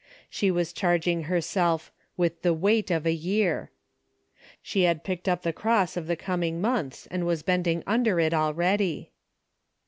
She was charging herself " with the weight of a year." She had picked up the cross of the coming months and was bending under it already.